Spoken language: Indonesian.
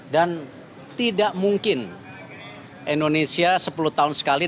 dan tidak mungkin indonesia sepuluh tahun sekali